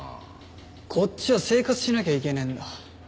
こっちは生活しなきゃいけねえんだ。